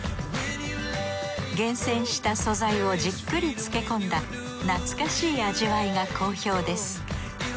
厳選した素材をじっくり漬け込んだ懐かしい味わいが好評です。